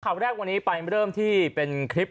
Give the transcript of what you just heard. ข่าวแรกวันนี้ไปเริ่มที่เป็นคลิป